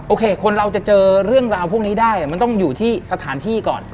คนเราจะเจอเรื่องราวพวกนี้ได้มันต้องอยู่ที่สถานที่ก่อน